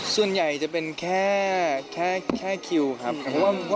ส่วนใหญ่จะเป็นแค่คิวครับ